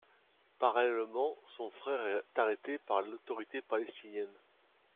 Parallèlement, son frère est arrêté par l'Autorité palestinienne.